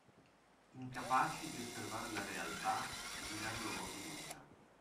Incapaci di osservare la realtà e di dar loro fiducia.